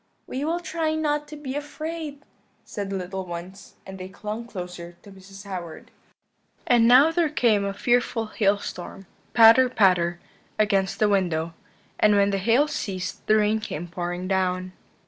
"'We will try not to be afraid,' said the little ones; and they clung closer to Mrs. Howard. "And now there came a fearful hailstorm, patter, patter, against the window; and when the hail ceased the rain came pouring down.